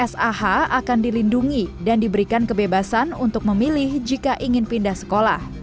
dinas pendidikan kabupaten gresik menjamin sah akan dilindungi dan diberikan kebebasan untuk memilih jika ingin pindah sekolah